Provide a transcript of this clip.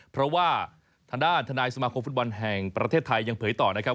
เพราะว่าทางด้านทนายสมาคมฟุตบอลแห่งประเทศไทยยังเผยต่อนะครับ